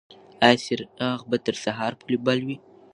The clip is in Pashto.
ایا څراغ به تر سهار پورې بل وي؟